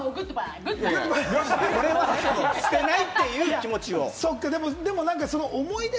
これは、捨てないっていう気持ちを。